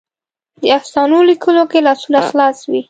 د افسانو لیکلو کې لاسونه خلاص وي.